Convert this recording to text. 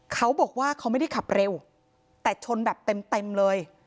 เขาบอกว่าเขาไม่ได้ขับเร็วแต่ชนแบบเต็มเลย